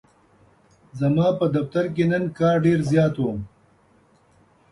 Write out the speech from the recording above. ځماپه دفترکی نن کار ډیرزیات و.